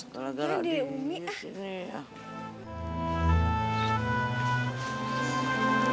gara gara di sini